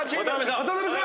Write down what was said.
渡邊さん。